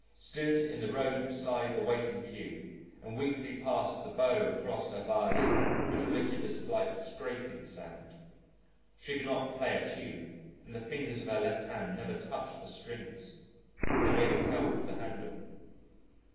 stood in the road beside the waiting queue and weakly passed the bow across her violin which emitted a slight scraping sound. She could not play a tune and the fingers of her left hand never touched the strings they merely held the handle.